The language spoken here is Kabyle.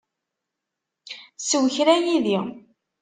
Sew kra yid-i.